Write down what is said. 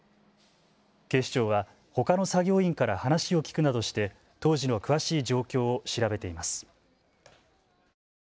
警視庁はほかの作業員から話を聞くなどして当時の詳しい状況を調べています。